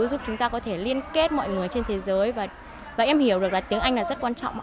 giúp chúng ta có thể liên kết mọi người trên thế giới và em hiểu được là tiếng anh là rất quan trọng